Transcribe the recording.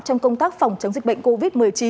trong công tác phòng chống dịch bệnh covid một mươi chín